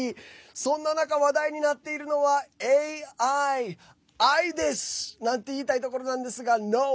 そんな中、話題になっているのはＡＩ、愛ですなんて言いたいところなんですがｎｏ！